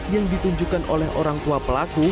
yang ditunjukkan oleh orang tua pelaku